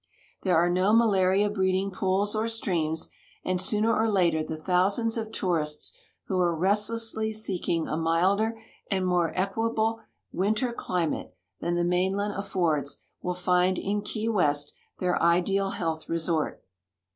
There are no malaria breeding pools or streams, and sooner or later the thousands of tourists who are restlessly seeking a milder and more equable winter climate than the mainland affords will find in Key ^^"est their ideal health resort.